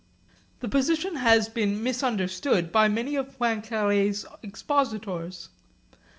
This position has been misunderstood by many of Poincaré's expositors.